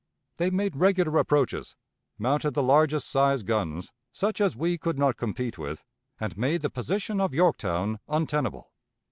... They made regular approaches, mounted the largest sized guns, such as we could not compete with, and made the position of Yorktown untenable.